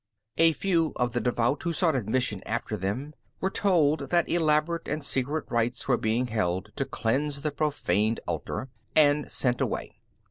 A few of the devout, who sought admission after them, were told that elaborate and secret rites were being held to cleanse the profaned altar, and sent away.